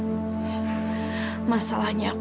bahkan dia bisa menyanyihe vinu